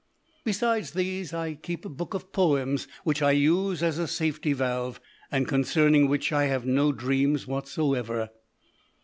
Besides these, I keep a book of poems which I use as a safety valve, and concerning which I have no dreams whatsoever.